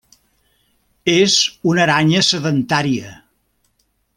És una aranya sedentària.